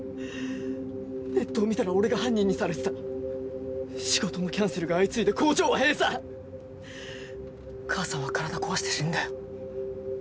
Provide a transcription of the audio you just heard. ネットを見たら俺が犯人にされてた仕事のキャンセルが相次いで工場は閉鎖母さんは体壊して死んだよ